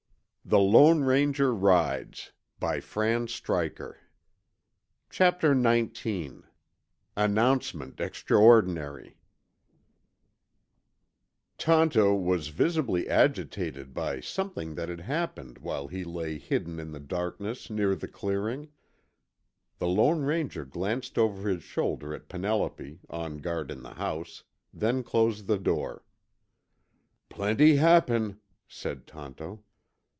The Lone Ranger left the room and went outside with Tonto. Chapter XIX ANNOUNCEMENT EXTRAORDINARY Tonto was visibly agitated by something that had happened while he lay hidden in the darkness near the clearing. The Lone Ranger glanced over his shoulder at Penelope, on guard in the house, then closed the door. "Plenty happen," said Tonto.